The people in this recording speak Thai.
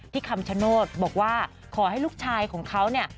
ที่คำชโน้ตบอกว่าขอให้ลูกชายของเค้านี่